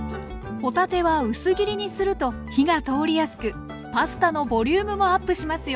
帆立ては薄切りにすると火が通りやすくパスタのボリュームもアップしますよ。